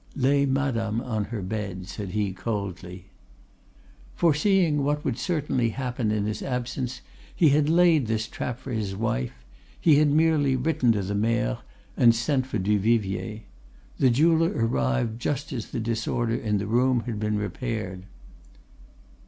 "'Lay madame on her bed,' said he coldly. "Foreseeing what would certainly happen in his absence, he had laid this trap for his wife; he had merely written to the Maire and sent for Duvivier. The jeweler arrived just as the disorder in the room had been repaired.